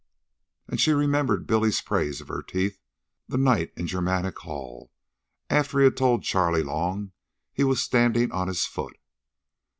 And she remembered Billy's praise of her teeth, the night at Germanic Hall after he had told Charley Long he was standing on his foot.